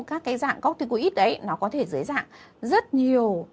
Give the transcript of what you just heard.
các cái dạng corticoid ấy nó có thể dưới dạng rất nhiều